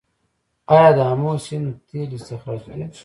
آیا د امو سیند تیل استخراج کیږي؟